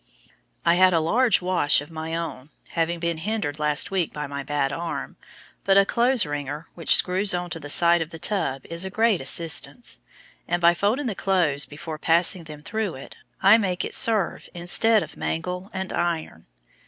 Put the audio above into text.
I had a large "wash" of my own, having been hindered last week by my bad arm, but a clothes wringer which screws on to the side of the tub is a great assistance, and by folding the clothes before passing them through it, I make it serve instead of mangle and iron.